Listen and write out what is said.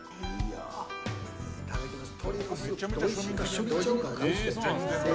いただきます。